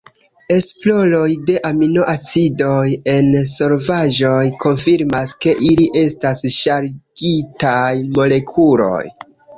Esploroj de aminoacidoj en solvaĵoj konfirmas ke ili estas ŝargitaj molekuloj.